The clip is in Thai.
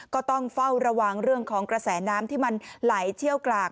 ก็ต้องเฝ้าระวังเรื่องของกระแสน้ำที่มันไหลเชี่ยวกราก